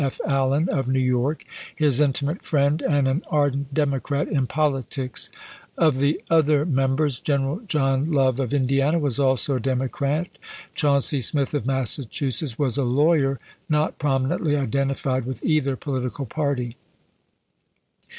F. Allen of New York, his intimate friend and an ardent Democrat in politics ; of the other mem bers, General John Love of Indiana was also a Democrat; Chauncey Smith of Massachusetts was a lawyer, not prominently identified with either political party.